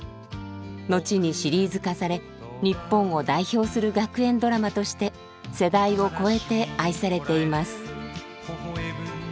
後にシリーズ化され日本を代表する学園ドラマとして世代を超えて愛されています。